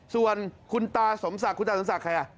ส่วนคุณตาสมศักดิ์คุณตาสมศักดิ์